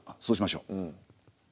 そうしましょう。